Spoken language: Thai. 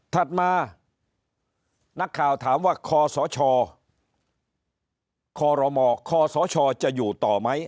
ถัดมานักข่าวถามว่าคศครมคศจะอยู่ต่อไหม